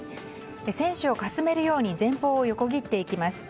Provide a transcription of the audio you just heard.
船首をかすめるように前方を横切っていきます。